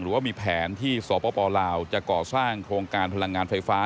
ว่ามีแผนที่สปลาวจะก่อสร้างโครงการพลังงานไฟฟ้า